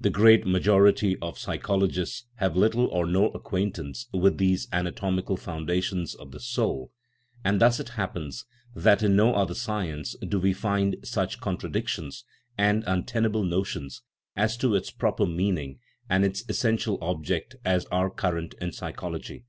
The great majority of "psycholo gists " have little or no acquaintance with these ana tomical foundations of the soul, and thus it happens that in no other science do we find such contradictions and untenable notions as to its proper meaning and its essential object as are current in psychology.